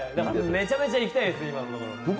めちゃめちゃ行きたいです。